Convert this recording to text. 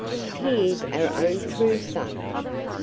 He is our own true son."